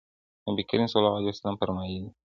نبي کريم صلی الله عليه وسلم فرمايلي دي: